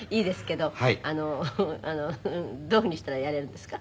どういうふうにしたらやれるんですか？